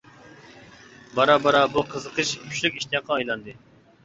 بارا-بارا بۇ قىزىقىش كۈچلۈك ئىشتىياققا ئايلاندى.